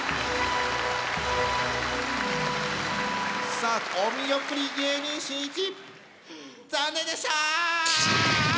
さあお見送り芸人しんいち残念でした！